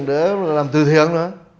để làm từ thiện nữa